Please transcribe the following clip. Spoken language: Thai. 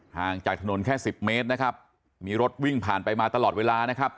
ห่างจากถนนแค่สิบเมตรนะครับมีรถวิ่งผ่านไปมาตลอดเวลานะครับ